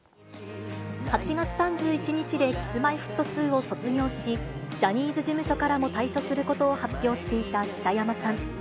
８月３１日でＫｉｓ−Ｍｙ−Ｆｔ２を卒業し、ジャニーズ事務所からも退所することを発表していた北山さん。